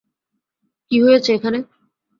কী হয়েছে এখানে?